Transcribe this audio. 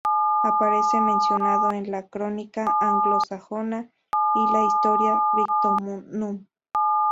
Aparece mencionado en la "crónica anglosajona" y la "Historia Brittonum".